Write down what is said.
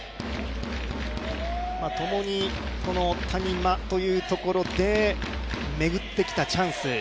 共に谷間というところで巡ってきたチャンス。